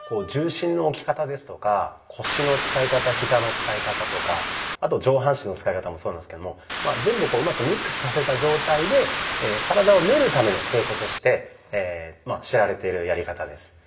重心の置き方ですとか腰の使い方ヒザの使い方とかあと上半身の使い方もそうなんですけども全部をうまくミックスさせた状態でとして知られているやり方です。